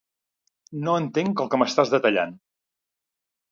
No entenc el que m'estàs detallant.